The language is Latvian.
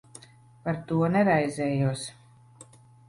Par to neraizējos.